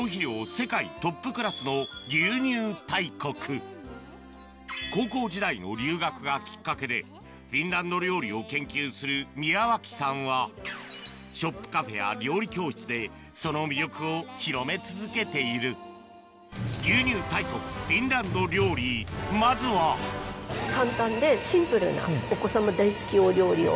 世界トップクラスの牛乳大国がきっかけでフィンランド料理を研究する宮脇さんはショップカフェや料理教室でその魅力を広め続けているまずは簡単でシンプルなお子様大好きお料理を。